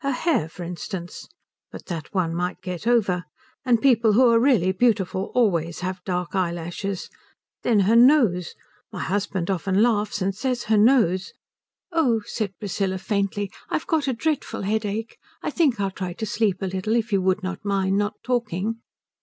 Her hair, for instance but that one might get over. And people who are really beautiful always have dark eyelashes. Then her nose my husband often laughs, and says her nose " "Oh," said Priscilla, faintly, "I've got a dreadful headache. I think I'll try to sleep a little if you would not mind not talking."